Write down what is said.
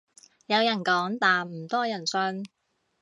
有人講但唔多人信